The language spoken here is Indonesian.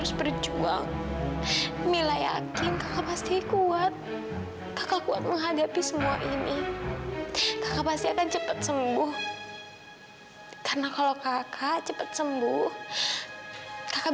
sampai jumpa di video selanjutnya